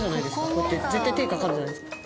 こうやって絶対手かかるじゃないですか。